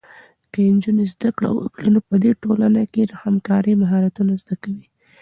که نجونې زده کړه وکړي، نو په ټولنه کې د همکارۍ مهارتونه زده کوي.